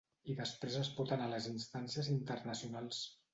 I després es pot anar a les instàncies internacionals.